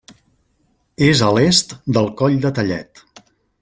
És a l'est del Coll de Tellet.